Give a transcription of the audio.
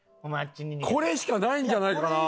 これしかないんじゃないかな？